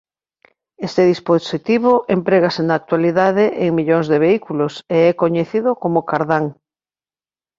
Este dispositivo emprégase na actualidade en millóns de vehículos e é coñecido como cardán.